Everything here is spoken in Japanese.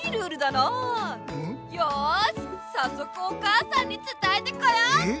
よしさっそくお母さんにつたえてこようっと！